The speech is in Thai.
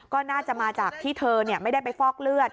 ก็น่าจะมาจากที่เธอไม่ได้ไปฟอกเลือด